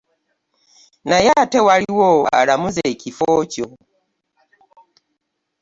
Naye ate waliwo alamuza ekifo kyo.